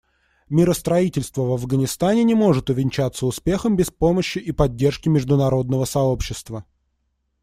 Миростроительство в Афганистане не может увенчаться успехом без помощи и поддержки международного сообщества.